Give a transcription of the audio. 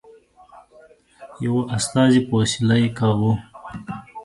یوه استازي په وسیله یې کاوه.